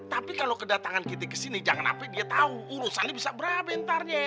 tapi kalau kedatangan kita kesini jangan sampai dia tahu urusannya bisa berapa ntar ya